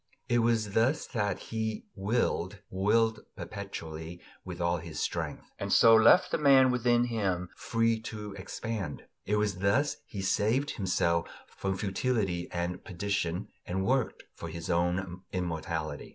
It was thus that he "willed, willed perpetually, with all his strength," and so left the man within him free to expand; it was thus he saved himself from futility and perdition and worked for his own immortality.